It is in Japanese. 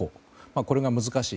これが難しい。